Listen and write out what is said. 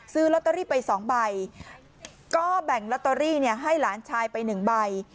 ซื้อลอตเตอรี่ไป๒ใบก็แบ่งลอตเตอรี่ให้หลานชายไป๑ใบ